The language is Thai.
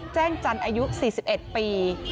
แจ้งจันทร์อายุ๔๑ปี